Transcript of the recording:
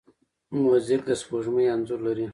موزیک د سپوږمۍ انځور لري.